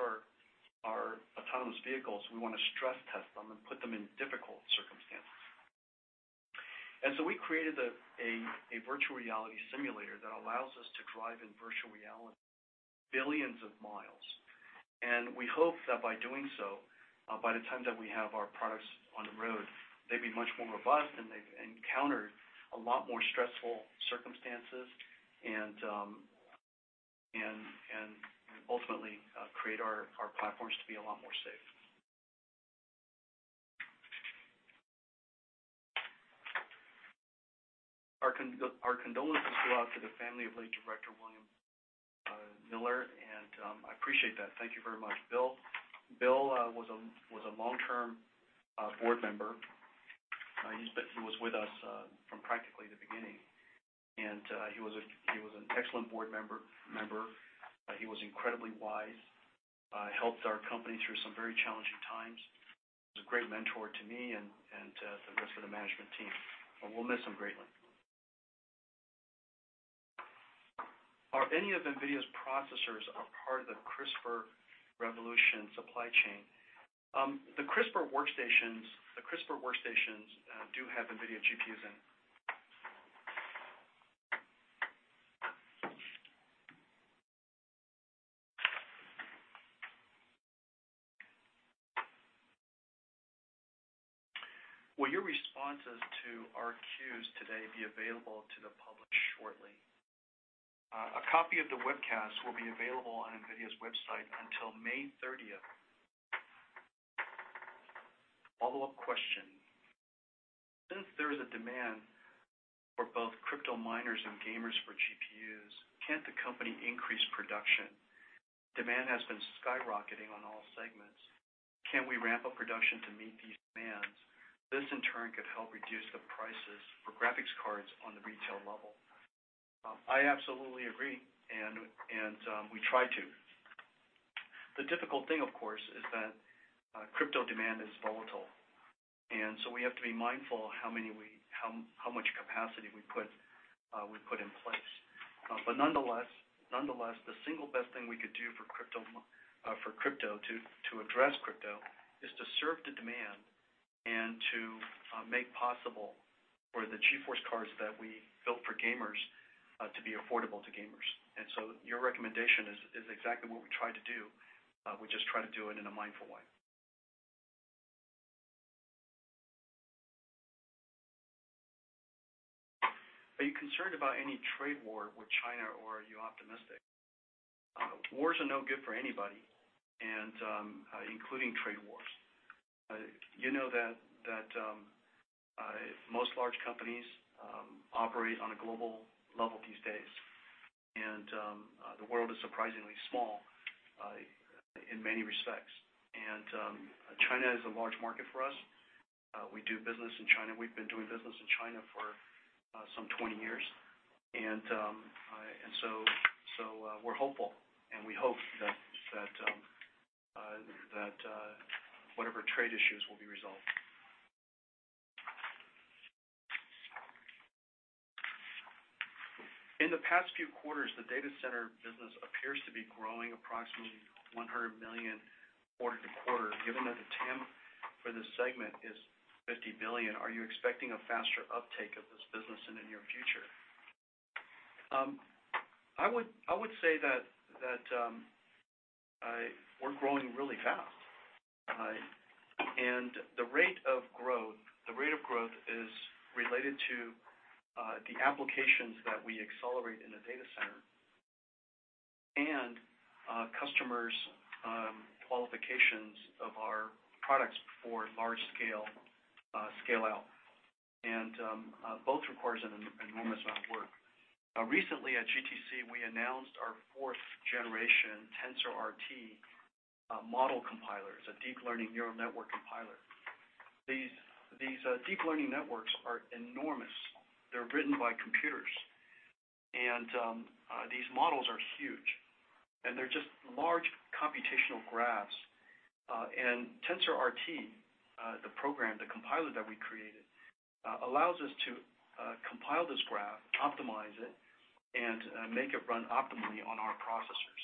our autonomous vehicles, we want to stress test them and put them in difficult circumstances. We created a virtual reality simulator that allows us to drive in virtual reality billions of miles. We hope that by doing so, by the time that we have our products on the road, they'd be much more robust, and they've encountered a lot more stressful circumstances, and ultimately create our platforms to be a lot more safe. Our condolences go out to the family of late director William Miller, and I appreciate that. Thank you very much. Bill was a long-term board member. He was with us from practically the beginning, and he was an excellent board member. He was incredibly wise, helped our company through some very challenging times. He was a great mentor to me and to the rest of the management team. We'll miss him greatly. Are any of NVIDIA's processors a part of the CRISPR revolution supply chain? The CRISPR workstations do have NVIDIA GPUs in. Will your responses to our Qs today be available to the public shortly? A copy of the webcast will be available on NVIDIA's website until May 30th. Follow-up question. Since there is a demand for both crypto miners and gamers for GPUs, can't the company increase production? Demand has been skyrocketing on all segments. Can we ramp up production to meet these demands? This, in turn, could help reduce the prices for graphics cards on the retail level. I absolutely agree, and we try to. The difficult thing, of course, is that crypto demand is volatile, and so we have to be mindful how much capacity we put in place. The single best thing we could do to address crypto is to serve the demand and to make possible for the GeForce cards that we built for gamers to be affordable to gamers. Your recommendation is exactly what we try to do. We just try to do it in a mindful way. Are you concerned about any trade war with China or are you optimistic? Wars are no good for anybody, including trade wars. You know that most large companies operate on a global level these days, and the world is surprisingly small in many respects. China is a large market for us. We do business in China. We've been doing business in China for some 20 years, we're hopeful, and we hope that whatever trade issues will be resolved. In the past few quarters, the data center business appears to be growing approximately $100 million quarter-over-quarter. Given that the TAM for this segment is $50 billion, are you expecting a faster uptake of this business in the near future? I would say that we're growing really fast. The rate of growth is related to the applications that we accelerate in a data center and customers' qualifications of our products for large scale scale-out, both requires an enormous amount of work. Recently at GTC, we announced our fourth generation TensorRT model compiler. It's a deep learning neural network compiler. These deep learning networks are enormous. They're written by computers. These models are huge, they're just large computational graphs. TensorRT, the program, the compiler that we created, allows us to compile this graph, optimize it, and make it run optimally on our processors.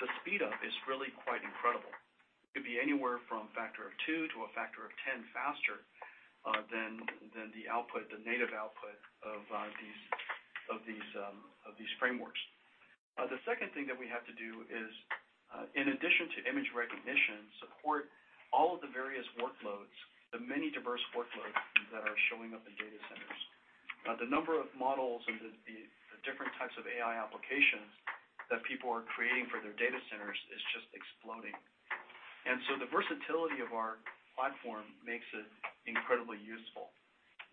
The speedup is really quite incredible. It could be anywhere from factor of two to a factor of 10 faster than the native output of these frameworks. The second thing that we have to do is, in addition to image recognition, support all of the various workloads, the many diverse workloads that are showing up in data centers. The number of models and the different types of AI applications that people are creating for their data centers is just exploding. The versatility of our platform makes it incredibly useful.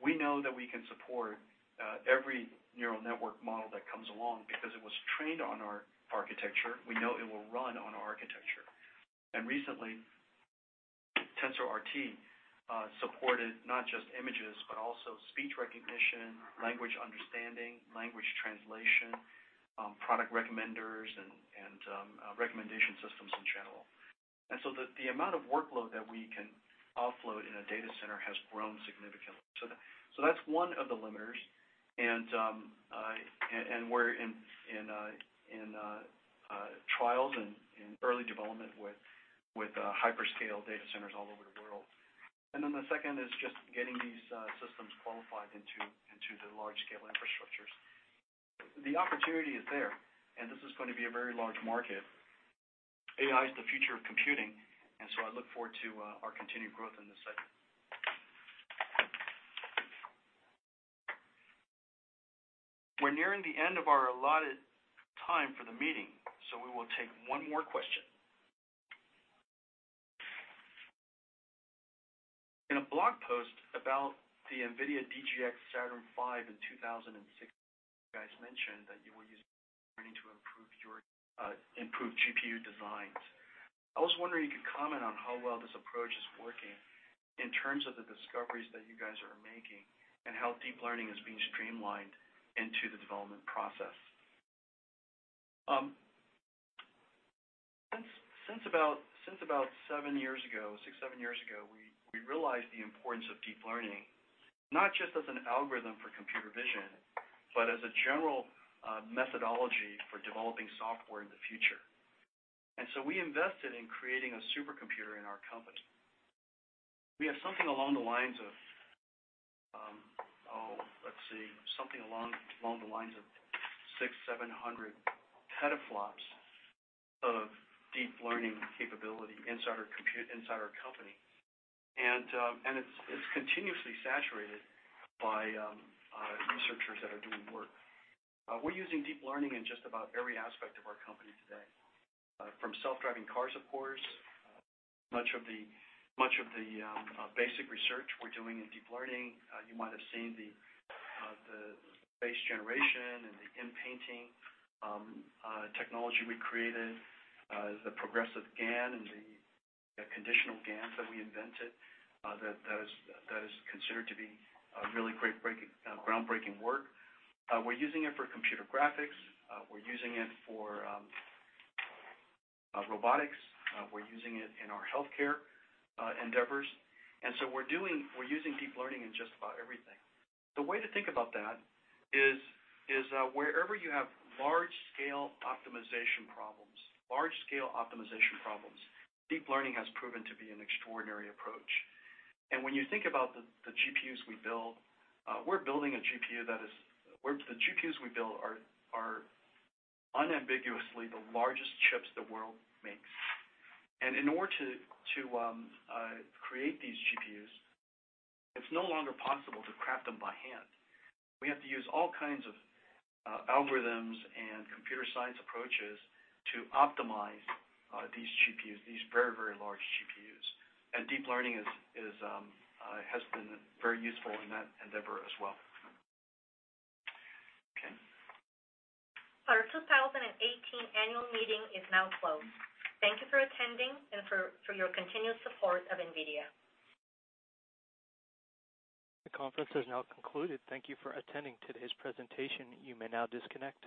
We know that we can support every neural network model that comes along. Because it was trained on our architecture, we know it will run on our architecture. Recently, TensorRT supported not just images, but also speech recognition, language understanding, language translation, product recommenders, and recommendation systems in general. The amount of workload that we can offload in a data center has grown significantly. That's one of the limiters, we're in trials, in early development with hyperscale data centers all over the world. The second is just getting these systems qualified into the large-scale infrastructures. The opportunity is there, and this is going to be a very large market. AI is the future of computing, I look forward to our continued growth in this segment. We're nearing the end of our allotted time for the meeting, we will take one more question. In a blog post about the NVIDIA DGX SaturnV in 2016 You guys mentioned that you were using learning to improve GPU designs. I was wondering if you could comment on how well this approach is working in terms of the discoveries that you guys are making, and how deep learning is being streamlined into the development process. Since about six, seven years ago, we realized the importance of deep learning, not just as an algorithm for computer vision, but as a general methodology for developing software in the future. We invested in creating a supercomputer in our company. We have something along the lines of, let's see, something along the lines of 600, 700 petaflops of deep learning capability inside our company. It's continuously saturated by researchers that are doing work. We're using deep learning in just about every aspect of our company today. From self-driving cars, of course, much of the basic research we're doing in deep learning, you might have seen the face generation and the in-painting technology we created, the progressive GAN, and the conditional GANs that we invented that is considered to be really great groundbreaking work. We're using it for computer graphics. We're using it for robotics. We're using it in our healthcare endeavors. So we're using deep learning in just about everything. The way to think about that is wherever you have large-scale optimization problems, deep learning has proven to be an extraordinary approach. When you think about the GPUs we build, the GPUs we build are unambiguously the largest chips the world makes. In order to create these GPUs, it's no longer possible to craft them by hand. We have to use all kinds of algorithms and computer science approaches to optimize these very, very large GPUs. Deep learning has been very useful in that endeavor as well. Okay. Our 2018 annual meeting is now closed. Thank you for attending and for your continued support of NVIDIA. The conference is now concluded. Thank you for attending today's presentation. You may now disconnect.